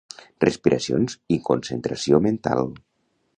Respiracions i concentració mental.